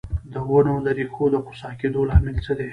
د ونو د ریښو د خوسا کیدو لامل څه دی؟